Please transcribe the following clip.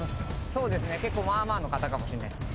そうですね結構まあまあのカタかもしんないっすね。